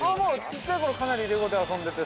◆小っちゃいころ、かなりレゴで遊んでて。